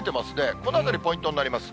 このあたりポイントになります。